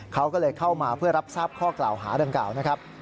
เขาก็เลยเข้ามาเพื่อรับทราบข้อกล่าวหาดังกล่าวนะครับ